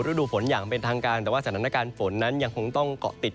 ฤดูฝนอย่างเป็นทางการแต่ว่าสถานการณ์ฝนนั้นยังคงต้องเกาะติด